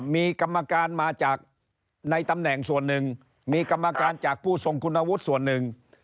มีกรรมการมาจากในตำแหน่งส่วนหนึ่งมีกรรมการจากผู้ทรงคุณวุฒิส่วนหนึ่ง